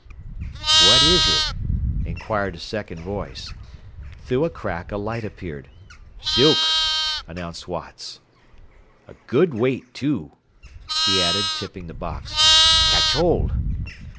"What is it?" inquired a second voice. Through a crack a light appeared. "Silk," announced Watts. "A good weight, too," he added, tipping the box. "Catch hold."